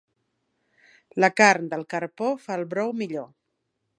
La carn del carpó fa el brou millor.